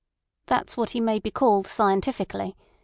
"That's what he may be called scientifically.